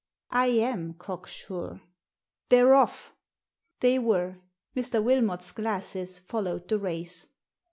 " I am cock sure." "They're off!" They were. Mr. Wilmof s glasses followed the race.